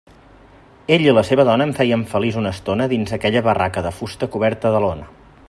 Ell i la seva dona em feien feliç una estona dins aquella barraca de fusta coberta de lona.